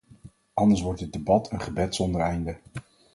Anders wordt dit debat een gebed zonder einde.